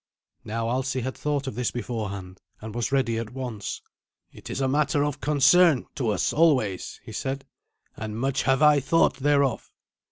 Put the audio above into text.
Now Alsi had thought of this beforehand, and was ready at once. "It is a matter of concern to us always," he said, "and much have I thought thereof.